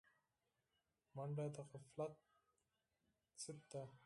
منډه د غفلت ضد ده